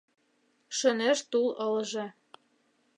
Шӧнеш тул ылыже.